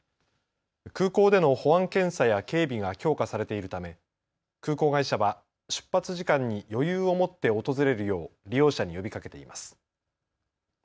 空港での保安検査や警備が強化されているため空港会社は出発時間に余裕を持って訪れるよう利用者に呼びかけています。